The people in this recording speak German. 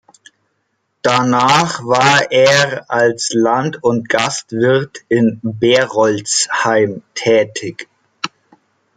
Danach war er als Land- und Gastwirt in Berolzheim tätig.